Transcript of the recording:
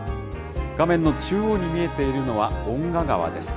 画面の中央に見えているのは遠賀川です。